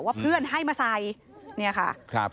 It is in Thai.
ว่าเพื่อนให้มาใส่เนี่ยค่ะ